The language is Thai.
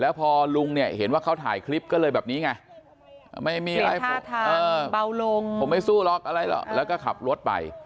พอลุงเนี่ยเห็นว่าเขาถ่ายคลิปก็เลยแบบนี้ไงไม่มีอะไรเบาลงผมไม่สู้หรอกอะไรหรอกแล้วก็ขับรถไป